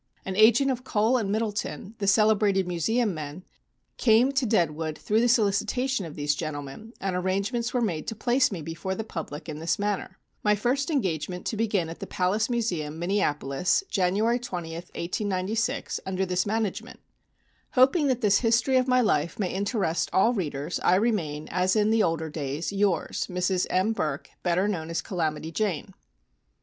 An agent of Kohl and Middleton, the celebrated museum men, came to Deadwood through the solicitation of these gentlemen, and arrangements were made to place me before the public in this manner. My first engagement to begin at the Palace Museum, Minneapolis, January 20th, 1896, under this management. Hoping that this history of my life may interest all readers, I remain, as in the older days, "Yours, "Mrs. M. Burk, "Better known as 'Calamity Jane.'"